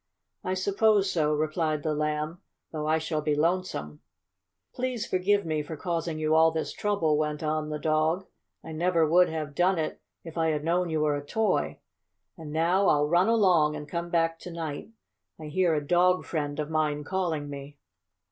"I suppose so," replied the Lamb. "Though I shall be lonesome." "Please forgive me for causing you all this trouble," went on the dog. "I never would have done it if I had known you were a toy. And now I'll run along and come back to night. I hear a dog friend of mine calling me."